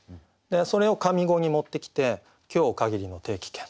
それを上五に持ってきて「今日を限りの定期券」。